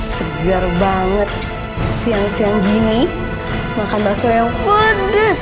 segar banget siang siang gini makan bakso yang pedes